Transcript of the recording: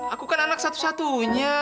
aku kan anak satu satunya